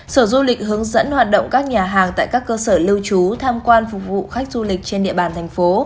sở du lịch hướng dẫn hoạt động các nhà hàng tại các cơ sở lưu trú tham quan phục vụ khách du lịch trên địa bàn thành phố